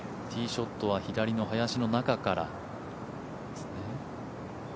ティーショットは左の林の中から。